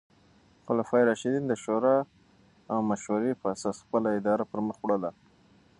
خلفای راشدین د شورا او مشورې په اساس خپله اداره پر مخ وړله.